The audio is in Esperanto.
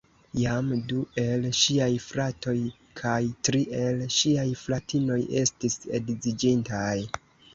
Jam du el ŝiaj fratoj kaj tri el ŝiaj fratinoj estis edziĝintaj.